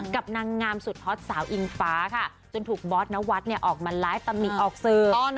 กับนางงามสุดฮอตสาวอิงฟ้าจนถูกบอสนวัดออกมาไลฟ์ตามมิออกเสิร์ฟ